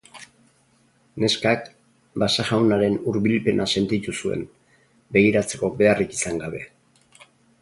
Neskak Basajaunaren hurbilpena sentitu zuen, begiratzeko beharrik izan gabe.